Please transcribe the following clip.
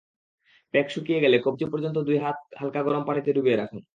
Pack শুকিয়ে গেলে কবজি পর্যন্ত দুই হাত হালকা গরম পানিতে ডুবিয়ে রাখুন।